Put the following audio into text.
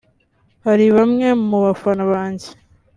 Hari bamwe mu bafana banjye